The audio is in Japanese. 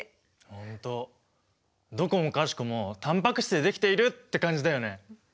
本当どこもかしこもタンパク質でできているって感じだよね。